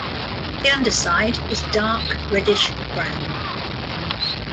The underside is dark reddish brown.